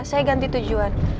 saya ganti tujuan